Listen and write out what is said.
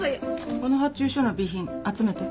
この発注書の備品集めて。